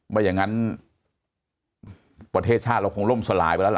ไม่อย่างนั้นประเทศชาติเราคงล่มสลายไปแล้วล่ะ